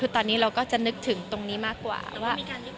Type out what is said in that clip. คือตอนนี้เราก็จะนึกถึงตรงนี้มากกว่าว่า